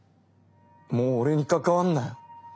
もう俺に関わんなよ。